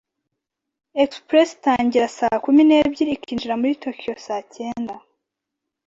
Express itangira saa kumi n'ebyiri ikinjira muri Tokiyo saa cyenda.